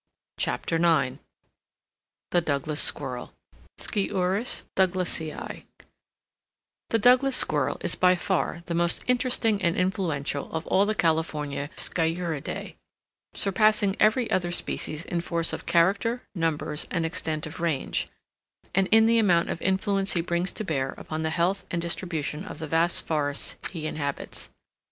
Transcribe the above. CHAPTER IX THE DOUGLAS SQUIRREL (Sciurus Douglasii) The Douglas Squirrel is by far the most interesting and influential of the California sciuridae, surpassing every other species in force of character, numbers, and extent of range, and in the amount of influence he brings to bear upon the health and distribution of the vast forests he inhabits.